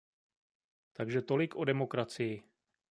Takže tolik o demokracii!